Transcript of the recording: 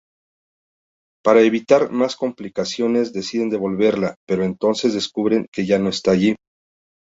Para evitar más complicaciones deciden devolverla, pero entonces descubren que ya no está allí.